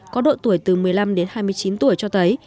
có độ tuổi từ một mươi năm đến hai mươi chín tuổi cho thấy